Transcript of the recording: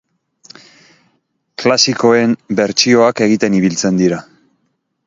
Klasikoen bertsioak egiten ibiltzen dira.